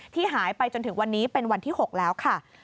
หายไปจนถึงวันนี้เป็นวันที่๖แล้วค่ะ